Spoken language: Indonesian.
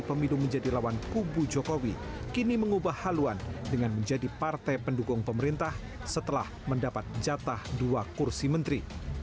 pemilu menjadi lawan kubu jokowi kini mengubah haluan dengan menjadi partai pendukung pemerintah setelah mendapat jatah dua kursi menteri